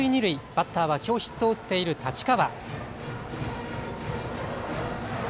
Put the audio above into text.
バッターはきょうヒットを打っている太刀川。